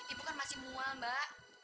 ibu kan masih mual mbak